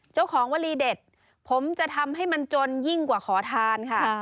วลีเด็ดผมจะทำให้มันจนยิ่งกว่าขอทานค่ะ